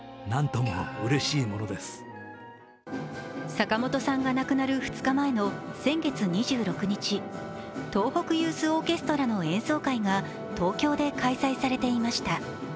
坂本さんが亡くなる２日前の先月２６日、東北ユースオーケストラの演奏会が東京で開催されていました。